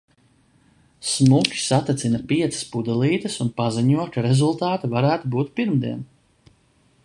Smuki satecina piecas pudelītes un paziņo, ka rezultāti varētu būt pirmdien.